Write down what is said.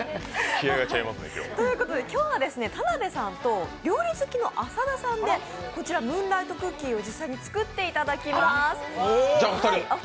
今日は田辺さんと料理好きの浅田さんでこちらムーンライトクッキーを実際に作っていただきます。